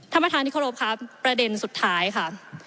ท่านประธานที่เคารพครับประเด็นสุดท้ายค่ะ